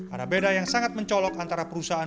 ada beda yang sangat mencolok antara perusahaan